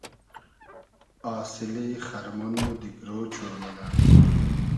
آسیلی خئرمۉن مۉ دیگرۉ چور مونۂ